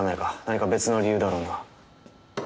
何か別の理由だろうな。